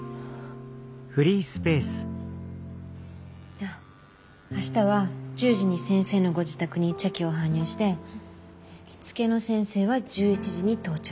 じゃあ明日は１０時に先生のご自宅に茶器を搬入して着付けの先生は１１時に到着。